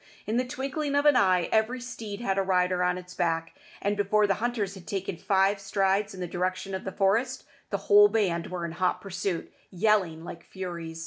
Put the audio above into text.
In the twinkling of an eye every steed had a rider on its back, and before the hunters had taken five strides in the direction of the forest, the whole band were in hot pursuit, yelling like furies.